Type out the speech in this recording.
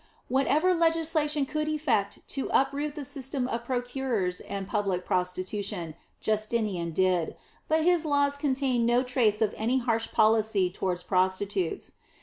Whatever legislation could effect to uproot the system of procurers and public prostitution, Justinian did; but his laws contain no trace of any harsh policy toward prostitutes.